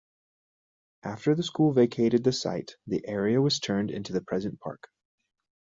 After the school vacated the site, the area was turned into the present park.